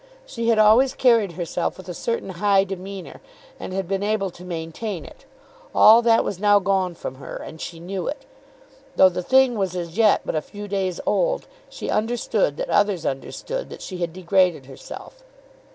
She had always carried herself with a certain high demeanour, and had been able to maintain it. All that was now gone from her, and she knew it. Though the thing was as yet but a few days old she understood that others understood that she had degraded herself.